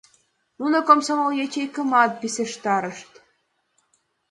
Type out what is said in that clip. Нуно комсомол ячейкымат писештарышт.